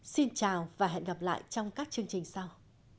xin chào và hẹn gặp lại trong các chương trình sau